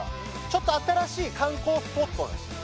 ちょっと新しい観光スポットなんですよ